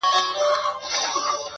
څه د اوس او څه زړې دي پخوانۍ دي -